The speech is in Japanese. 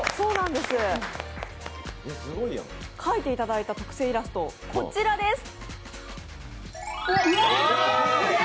描いていただいた特製イラストこちらです。